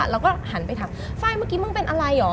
เราก็หันไปทักฟ้ายเมื่อกี้มึงเป็นอะไรหรอ